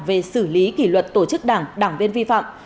về xử lý kỷ luật tổ chức đảng đảng viên vi phạm